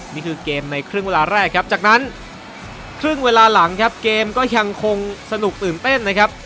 นี่คือเกมในครึ่งเวลาแรกครับจากนั้นครึ่งเวลาหลังครับเกมก็ยังคงสนุกตื่นเต้นนะครับ